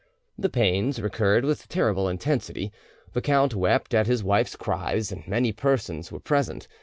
The pains recurred with terrible intensity. The count wept at his wife's cries. Many persons were present.